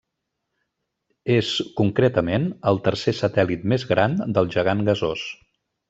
És, concretament, el tercer satèl·lit més gran del gegant gasós.